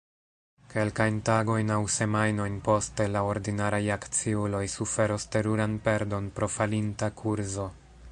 Kelkajn tagojn aŭ semajnojn poste la ordinaraj akciuloj suferos teruran perdon pro falinta kurzo.